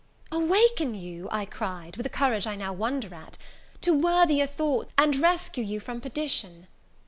"Awaken you," I cried, with a courage I now wonder at, "to worthier thoughts, and rescue you from perdition."